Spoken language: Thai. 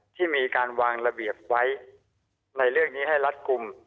ที่มีการวางระเบียบไว้ในเรื่องนี้ให้รัฐกลุ่ม